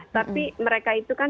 tapi mereka itu kan